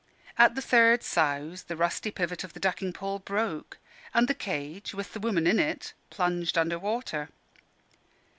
At the third souse, the rusty pivot of the ducking pole broke, and the cage, with the woman in it, plunged under water.